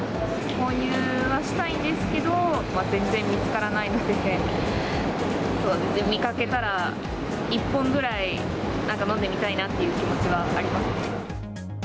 購入はしたいんですけど、全然見つからないので、見かけたら、１本ぐらい、なんか飲んでみたいなっていう気持ちはありますね。